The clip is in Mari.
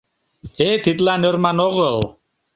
— Э, тидлан ӧрман огыл.